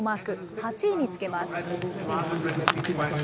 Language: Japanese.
８位につけます。